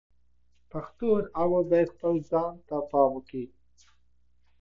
ازادي راډیو د بانکي نظام په اړه د خلکو پوهاوی زیات کړی.